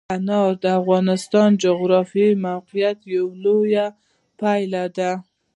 انار د افغانستان د جغرافیایي موقیعت یوه لویه پایله ده.